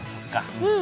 うん。